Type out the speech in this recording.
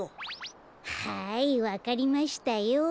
はいわかりましたよ。